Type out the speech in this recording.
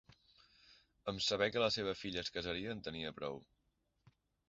Amb saber que la seva filla es casaria en tenia prou.